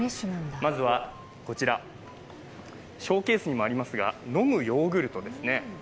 まずは、ショーケースにもありますがのむヨーグルトです。